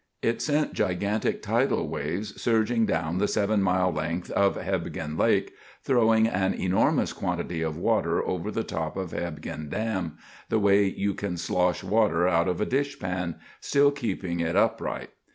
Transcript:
It sent gigantic tidal waves surging down the 7 mile length of Hebgen Lake, throwing an enormous quantity of water over the top of Hebgen Dam, the way you can slosh water out of a dishpan, still keeping it upright.